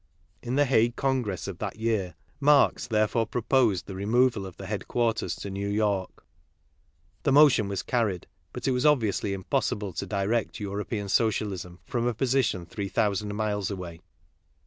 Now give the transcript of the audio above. In the Hague Congress of that year, Marx therefore proposed the removal of the headquarters to New York. The motion was carried ; but it was obviously impossible to direct European Socialism from a position three thousand miles away.